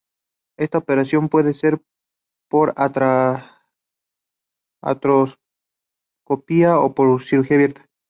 Esta operación puede ser por artroscopia o por cirugía abierta.